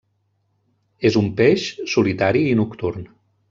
És un peix solitari i nocturn.